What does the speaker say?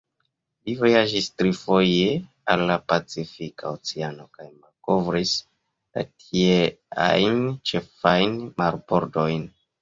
Li vojaĝis trifoje al la Pacifika Oceano kaj malkovris la tieajn ĉefajn marbordojn.